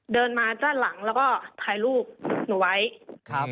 เดินมาด้านหลังแล้วก็ถ่ายรูปหนูไว้ครับ